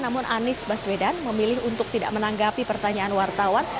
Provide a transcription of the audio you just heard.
namun anies baswedan memilih untuk tidak menanggapi pertanyaan wartawan